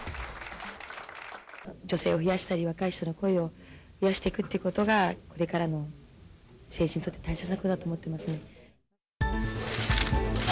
女性を増やしたり、若い人の声を増やしていくっていうことが、これからの政治にとって大切なことだと思ってますので。